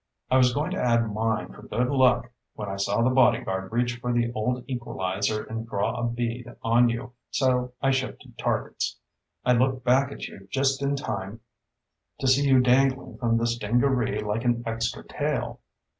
I was going to add mine for good luck when I saw the bodyguard reach for the old equalizer and draw a bead on you, so I shifted targets. I looked back at you just in time to see you dangling from the stingaree like an extra tail.